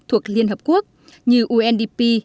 thuộc liên hợp quốc như undp